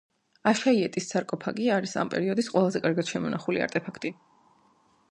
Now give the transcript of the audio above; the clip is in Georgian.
აშაიეტის სარკოფაგი არის ამ პერიოდის ყველაზე კარგად შემონახული არტეფაქტი.